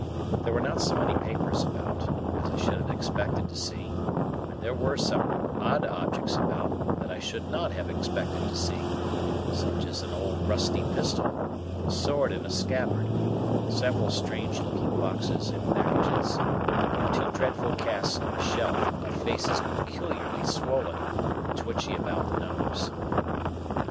There were not so many papers about, as I should have expected to see; and there were some odd objects about, that I should not have expected to see,—such as an old rusty pistol, a sword in a scabbard, several strange looking boxes and packages, and two dreadful casts on a shelf, of faces peculiarly swollen, and twitchy about the nose.